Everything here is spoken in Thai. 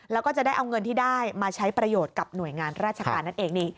แล้วก็จะได้เอาเงินที่ได้มาใช้ประโยชน์กับหน่วยงานราชการนั่นเองนี่